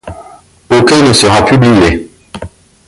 Aucun ne sera publié.